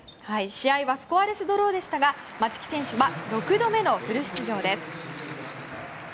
試合はスコアレスドローでしたが松木選手は６度目のフル出場です。